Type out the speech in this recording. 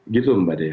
gitu mbak dea